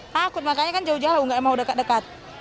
takut makanya kan jauh jauh nggak emang dekat dekat